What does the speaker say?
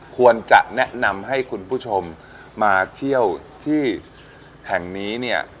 ควรจะแนะนำให้คุณผู้ชมมาเที่ยวที่แห่งนี้เนี่ย